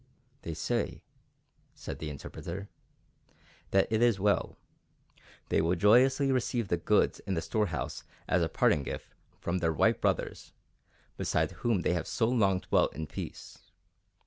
"They say," said the interpreter, "that it is well. They will joyously receive the goods in the storehouse as a parting gift from their white brothers, beside whom they have so long dwelt in peace.